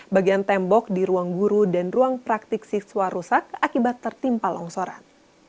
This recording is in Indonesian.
bagian tembok di ruang guru dan ruang praktik siswa rusak akibat tertimpa longsoran